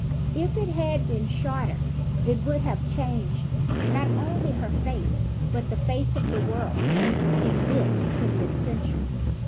If it had been shorter, it would have changed not only her face but the face of the world in this twentieth century.